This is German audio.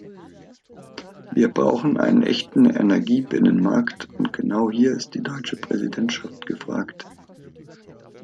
Wir brauchen einen echten Energiebinnenmarkt, und genau hier ist die deutsche Präsidentschaft gefragt.